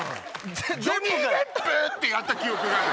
ジョニー・デップ⁉ってやった記憶がある。